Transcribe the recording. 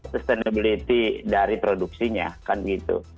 sustainability dari produksinya kan begitu